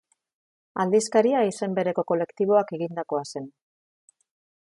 Aldizkaria izen bereko kolektiboak egindakoa zen.